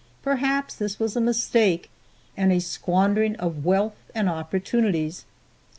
Perhaps this was a mistake and a squandering of wealth and opportunities.